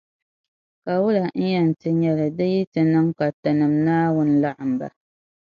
Ka wula n-yɛn ti nyεli di yiti niŋ ka Tinim’ Naawuni laɣim ba.